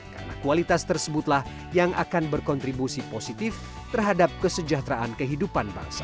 karena kualitas tersebutlah yang akan berkontribusi positif terhadap kesejahteraan kehidupan bangsa